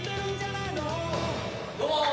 どうもー！